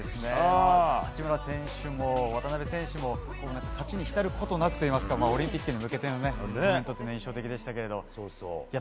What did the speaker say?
八村選手も渡邊選手も勝ちに浸ることなくといいますかオリンピックに向けてコメントが印象的でしたけど。